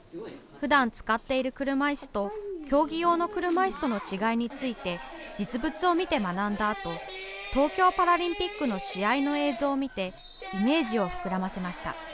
ふだん使っている車いすと競技用の車いすとの違いについて実物を見て学んだあと東京パラリンピックの試合の映像を見てイメージを膨らませました。